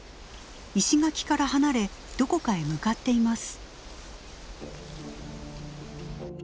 石垣から離れどこかへ向かっています。